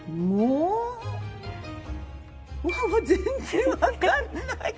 全然わかんない。